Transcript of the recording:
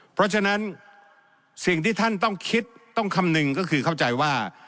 เพราะฉะนั้นสิ่งที่ท่านต้องคิดต้องคำนึงก็คือเข้าใจว่า